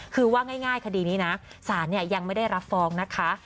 คือว่าง่ายคดีนี้นะศาลยังไม่ได้รับฟ้องนะคะ